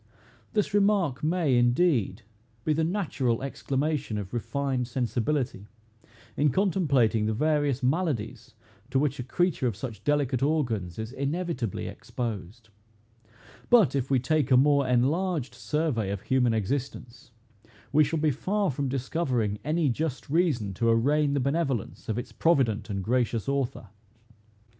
This remark may, indeed, be the natural exclamation of refined sensibility, in contemplating the various maladies to which a creature of such delicate organs is inevitably exposed; but, if we take a more enlarged survey of human existence, we shall be far from discovering any just reason to arraign the benevolence of its provident and gracious Author.